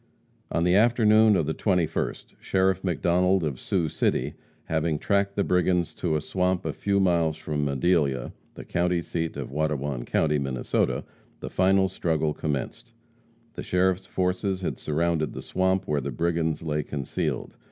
On the afternoon of the 21st, Sheriff McDonald, of Sioux City, having tracked the brigands to a swamp a few miles from Madelia, the county seat of Watonwan county, Minnesota, the final struggle commenced. The sheriff's forces had surrounded the swamp where the brigands lay concealed.